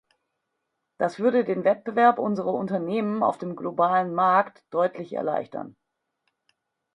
Das würde den Wettbewerb unserer Unternehmen auf dem globalen Markt deutlich erleichtern.